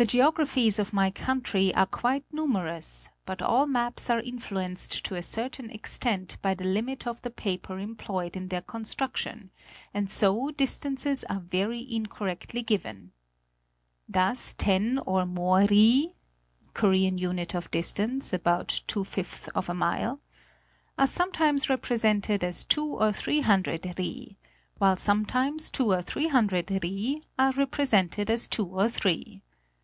"The geographies of my country are quite numerous, but all maps are influenced to a certain extent by the limit of the paper employed in their construction, and so distances are very incor rectly given. Thus ten or more ri (Korean unit of distance— about 2 mile) are sometimes represented as two or three hundred ri; while sometimes two or three hundred ri are represented as two or three.